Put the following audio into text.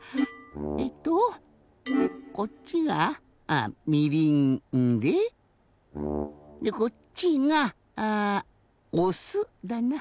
えっとこっちがみりんででこっちがあおすだな？